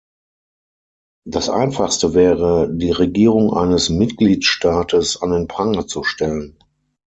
Das Einfachste wäre, die Regierung eines Mitgliedstaates an den Pranger zu stellen.